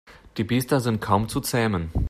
Die Biester sind kaum zu zähmen.